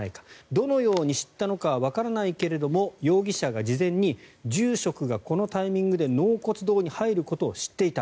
どのように知ったのかはわからないけれども容疑者が事前に住職がこのタイミングで納骨堂に入ることを知っていた。